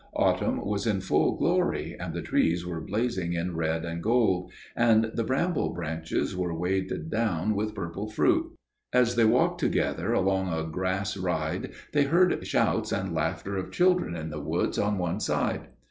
Autumn was in full glory, and the trees were blazing in red and gold: and the bramble branches were weighed down with purple fruit. As they walked together along a grass ride they heard shouts and laughter of children in the woods on one side.